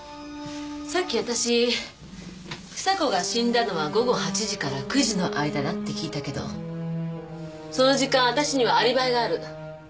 さっきわたし房子が死んだのは午後８時から９時の間だって聞いたけどその時間わたしにはアリバイがある。